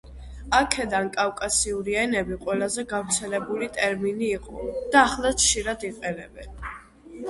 აქედან „კავკასიური ენები“ ყველაზე გავრცელებული ტერმინი იყო და ახლაც ხშირად იყენებენ.